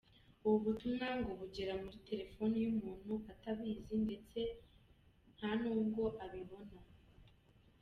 Ubu butumwa ngo bugera muri telefoni y’umuntu atabizi ndetse ntanubwo abibona.